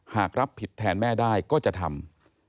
หากรับผิดแทนแม่ได้ก็จะทำ